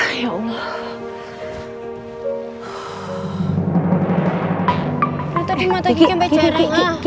tadi mata gikempe cairan ah